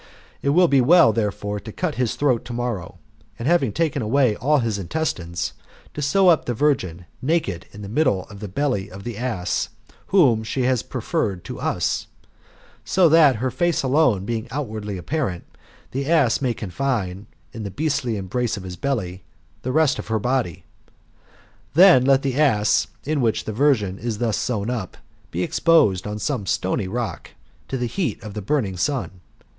It will be well, therefore, to cut his throat tomorrow, and, having taken away all his in testmes, to sew up the virgin naked in the middle of the belly of the ass, whom she has preferred to us ; so that, her fiice alone l)eing outwardly apparent, the ass may confine, in the beastly embrace of his belly, the rest of her body. Then let the ass, in which the virgin is thus sewn up, be exposed, on some stony rock, to the heat of the burning sun.